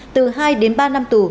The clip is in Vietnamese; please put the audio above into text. từ hai đến ba năm tù